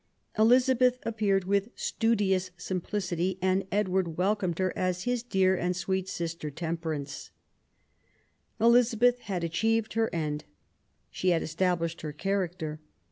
Elizabeth appeared with studious simplicity and Edward welcomed her as '* his dear and sweet sister, Temperance *'. Elizabeth had achieved her end. She had established her character.